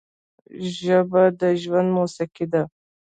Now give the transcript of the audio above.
ژبه د ژوند موسیقي ده